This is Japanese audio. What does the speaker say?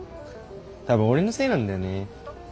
多分俺のせいなんだよね。